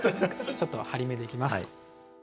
ちょっと張りめでいきます。